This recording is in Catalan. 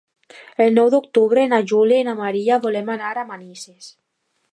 El nou d'octubre na Júlia i na Maria volen anar a Manises.